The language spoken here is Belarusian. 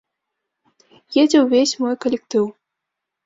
Едзе ўвесь мой калектыў.